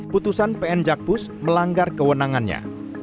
putusan pn jakpus melanggar kewenangannya